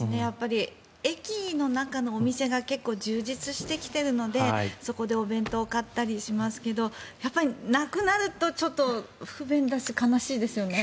駅の中のお店が結構充実してきているのでそこでお弁当を買ったりしますけどやはりなくなるとちょっと不便だし悲しいですよね。